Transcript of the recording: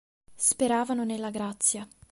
Speravano nella grazia.